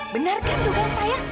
benar kan dogan saya